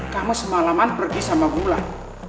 kamu semalaman pergi sama bulan